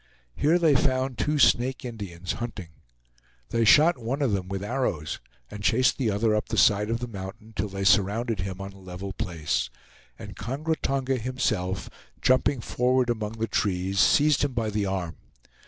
Here they found two Snake Indians, hunting. They shot one of them with arrows and chased the other up the side of the mountain till they surrounded him on a level place, and Kongra Tonga himself, jumping forward among the trees, seized him by the arm.